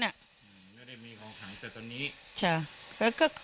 ไม่ได้มีของขังแต่ตอนนี้ใช่